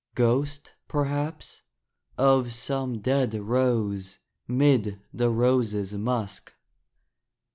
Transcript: Ghost, perhaps, of some dead rose 'Mid the roses' musk.